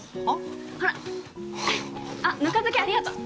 あっぬか漬けありがとう。